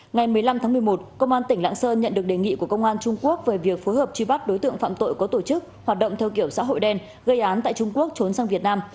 ngày một mươi năm tháng một mươi một công an tỉnh lạng sơn nhận được đề nghị của công an trung quốc về việc phối hợp truy bắt đối tượng phạm tội có tổ chức hoạt động theo kiểu xã hội đen gây án tại trung quốc trốn sang việt nam